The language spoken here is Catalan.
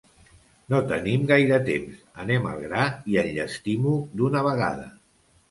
No tenim gaire temps. Anem al gra i enllestim-ho d'una vegada.